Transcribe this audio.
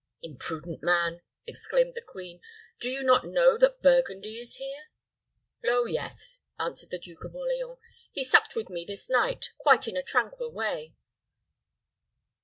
"Imprudent man!" exclaimed the queen. "Do you not know that Burgundy is here?" "Oh yes," answered the Duke of Orleans. "He supped with me this night, quite in a tranquil way."